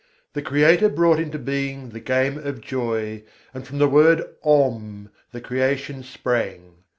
The Creator brought into being the Game of Joy: and from the word Om the Creation sprang.